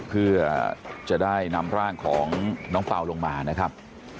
เพื่อจะได้นำร่างของน้องเปล่าลงมานะครับ